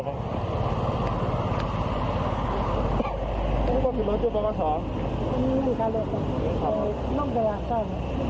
นี่ก็ถือมาเจ้าประชานี่ก็ถือมาเจ้าประชา